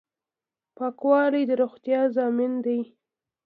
پاکوالی د روغتیا ضامن دی.